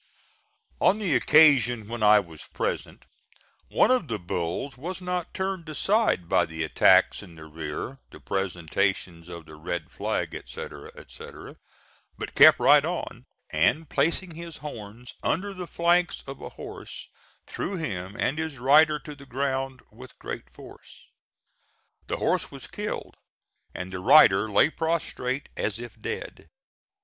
On the occasion when I was present one of the bulls was not turned aside by the attacks in the rear, the presentations of the red flag, etc., etc., but kept right on, and placing his horns under the flanks of a horse threw him and his rider to the ground with great force. The horse was killed and the rider lay prostrate as if dead.